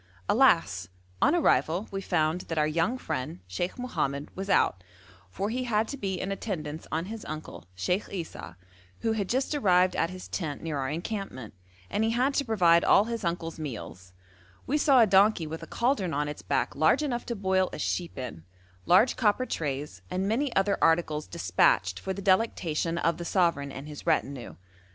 Alas! on arrival we found that our young friend Sheikh Mohammed was out, for he had to be in attendance on his uncle, Sheikh Esau, who had just arrived at his tent near our encampment, and he had to provide all his uncle's meals; we saw a donkey with a cauldron on its back large enough to boil a sheep in, large copper trays, and many other articles despatched for the delectation of the sovereign and his retinue.